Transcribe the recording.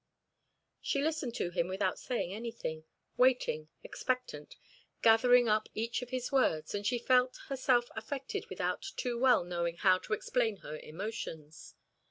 She listened to him without saying anything, waiting, expectant, gathering up each of his words; and she felt herself affected without too well knowing how to explain her emotions.